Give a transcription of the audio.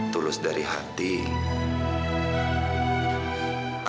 tulus dari hatiku